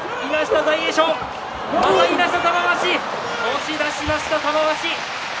押し出しました、玉鷲。